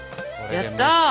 やった！